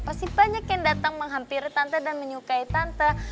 pasti banyak yang datang menghampiri tante dan menyukai tante